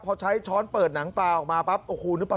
พอใช้ช้อนเปิดหนังปลาออกมาปั๊บโอ้โหหรือเปล่า